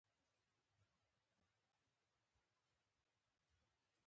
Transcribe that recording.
د ټیټ معاش څخه باید مالیه وانخیستل شي